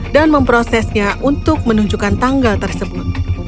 dan memprosesnya untuk menunjukkan tanggal tersebut